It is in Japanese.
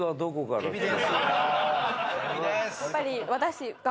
やっぱり。